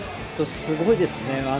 すごいですね。